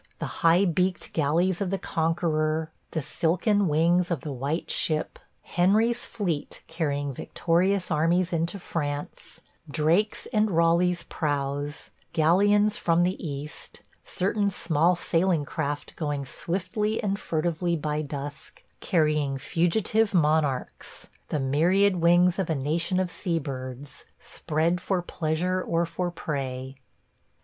. the high beaked galleys of the Conqueror, the silken wings of the White Ship, Henry's fleet carrying victorious armies into France, Drake's and Raleigh's prows, galleons from the East, certain small sailing craft going swiftly and furtively by dusk, carrying fugitive monarchs – the myriad wings of a nation of sea birds, spread for pleasure or for prey.